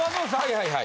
はいはい。